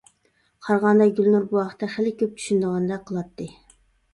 قارىغاندا گۈلنۇر بۇ ھەقتە خېلى كۆپ چۈشىنىدىغاندەك قىلاتتى.